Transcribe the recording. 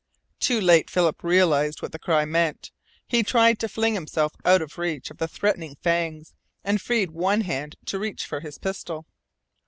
Too late Philip realized what the cry meant. He tried to fling himself out of reach of the threatening fangs, and freed one hand to reach for his pistol.